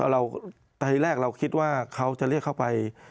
ตอนแรกเราคิดว่าเขาจะเรียกเข้าไป